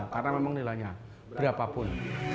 karena memang nilainya berapa pun